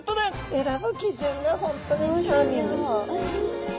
選ぶ基準が本当にチャーミング。